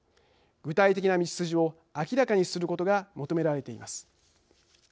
具体的な道筋を明らかにすることが求められています。